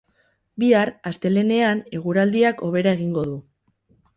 Bihar, astelehenean, eguraldiak hobera egingo du.